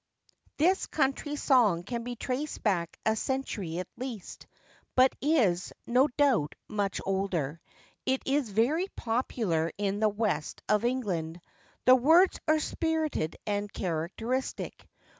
[THIS country song can be traced back a century at least, but is, no doubt, much older. It is very popular in the West of England. The words are spirited and characteristic.